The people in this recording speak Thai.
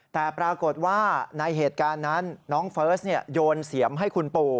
แต่ปรากฏว่าในเหตุการณ์นั้นน้องเฟิร์สโยนเสียมให้คุณปู่